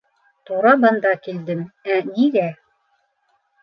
Тура бында килдем, ә нигә?